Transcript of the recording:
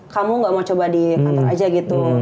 kamu gak mau coba di kantor aja gitu